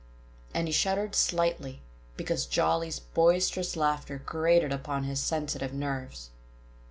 And he shuddered slightly, because Jolly's boisterous laughter grated upon his sensitive nerves.